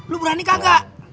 lu berani kagak